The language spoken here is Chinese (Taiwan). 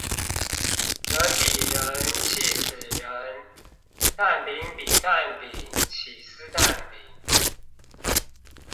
人比人氣死人，蛋餅比蛋餅起司蛋餅